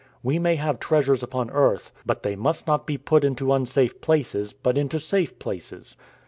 We may have treasures upon earth, but they must not be put into unsafe places, but into safe places.